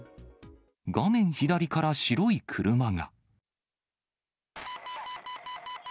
画面左から白い車が。